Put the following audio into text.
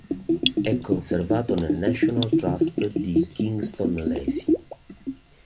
È conservato nel National Trust di Kingston Lacy.